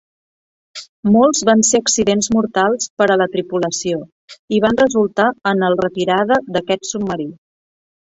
Molts van ser accidents mortals per a la tripulació, i van resultar en el retirada d'aquest submarí.